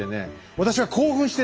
私は興奮してね。